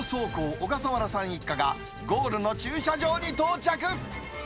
小笠原さん一家が、ゴールの駐車場に到着。